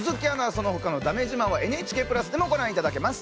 そのほかのだめ自慢はＮＨＫ＋でもご覧いただけます。